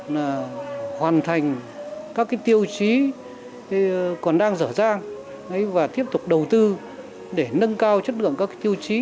là hoàn thành các cái tiêu chí còn đang rở ràng và tiếp tục đầu tư để nâng cao chất lượng các cái tiêu chí